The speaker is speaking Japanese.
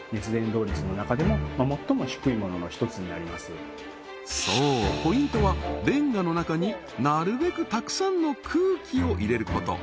これは実はそうポイントはレンガの中になるべくたくさんの空気を入れること